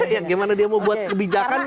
ya gimana dia mau buat kebijakan